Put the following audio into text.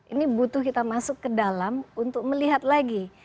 ini butuh kita masuk ke dalam untuk melihat lagi